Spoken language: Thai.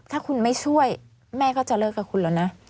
ถ้าคุณไม่ช่วยแม่ก็จะเลิกกับคุณแล้วนะ